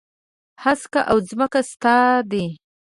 هسک او ځمکه ستا دي.